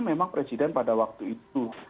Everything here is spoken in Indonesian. memang presiden pada waktu itu